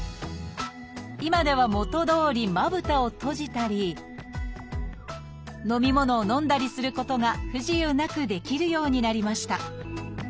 今では元どおりまぶたを閉じたり飲み物を飲んだりすることが不自由なくできるようになりました